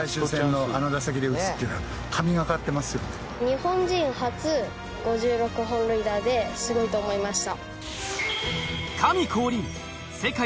日本人初５６本塁打ですごいと思いました。